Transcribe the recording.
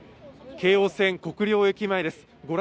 京王線国領駅前です。